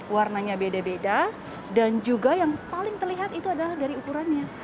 warnanya beda beda dan juga yang paling terlihat itu adalah dari ukurannya